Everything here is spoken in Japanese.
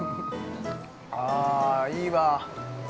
◆あーいいわ。